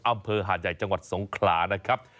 อำเภอหาดใหญ่จังหวัดสงขลานะครับ